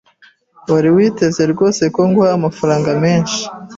Wari witeze rwose ko nguha amafaranga menshi?